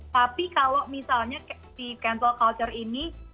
tapi kalau misalnya di cancel culture ini